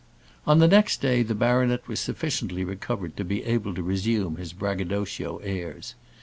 On the next day the baronet was sufficiently recovered to be able to resume his braggadocio airs.